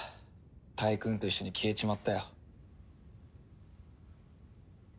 タイクーンと一緒に消えちまったよ。